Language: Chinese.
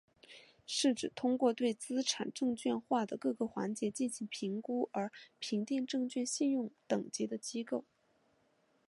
是指通过对资产证券化的各个环节进行评估而评定证券信用等级的机构。